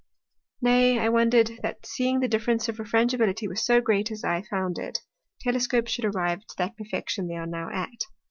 Nay, I wonder'd, that seeing the difference of Refrangibility was so great, as I found it, Telescopes should arrive to that perfection they are now at.